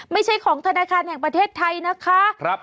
ไม่ใช่ของธนาคารแห่งประเทศไทยนะคะ